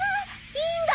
いいんだ！